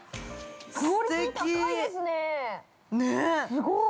◆すごい。